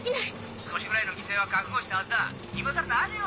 少しぐらいの犠牲は覚悟したはずだ今更何を！